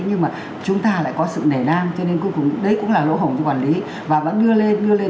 nhưng mà chúng ta lại có sự nể nam cho nên cuối cùng đấy cũng là lỗ hổng cho quản lý và vẫn đưa lên